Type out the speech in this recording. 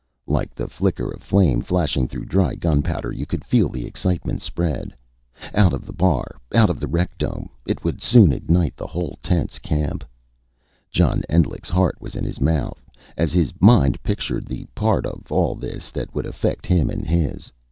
Like the flicker of flame flashing through dry gunpowder, you could feel the excitement spread. Out of the bar. Out of the rec dome. It would soon ignite the whole tense camp. John Endlich's heart was in his mouth, as his mind pictured the part of all this that would affect him and his.